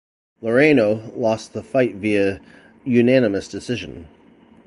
Laureano lost the fight via unanimous decision.